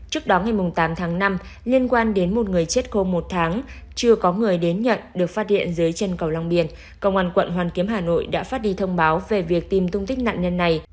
trước đó ngày tám tháng năm liên quan đến một người chết khô một tháng chưa có người đến nhận được phát hiện dưới chân cầu long biên công an quận hoàn kiếm hà nội đã phát đi thông báo về việc tìm tung tích nạn nhân này